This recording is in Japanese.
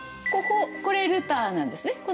こここれルターなんですね。